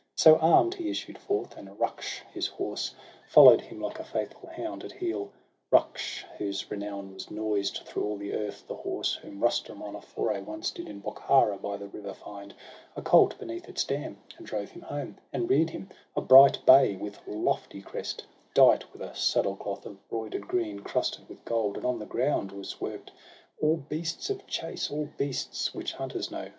SOHRAB AND RUSTUM. 95 So arm'd, he issued forth; and Ruksh, his horse, Follow'd him Hke a faithful hound at heel — Ruksh, whose renown was noised through all the earth, The horse, whom Rustum on a foray once Did in Bokhara by the river find A colt beneath its dam, and drove him home, And rear'd him; a bright bay, with lofty crest, Dight with a saddle cloth of broider'd green Crusted with gold, and on the ground were work'd All beasts of chase, all beasts which hunters know.